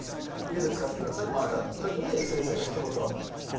「家で使ってください」っつった時に先生がひと言。